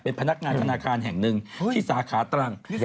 เป็นพนักงานธนาคารแห่งหนึ่งที่สาขาตรัง